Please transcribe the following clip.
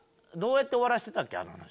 どうやって終わらしてたっけ？